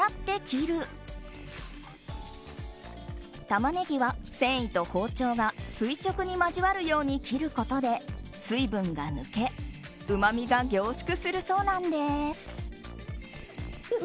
タマネギは繊維と包丁が垂直に交わるように切ることで水分が抜けうまみが凝縮するそうなんです。